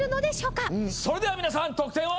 それでは皆さん得点を。